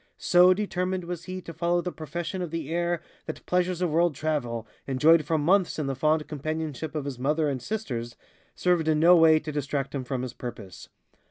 So determined was he to follow the profession of the air that pleasures of world travel, enjoyed for months in the fond companionship of his mother and sisters, served in no way to distract him from his purpose.